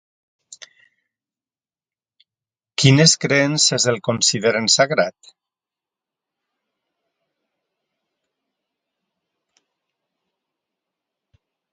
Quines creences el consideren sagrat?